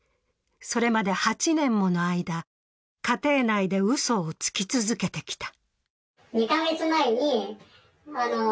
それまで８年もの間、家庭内でうそをつき続けてきた。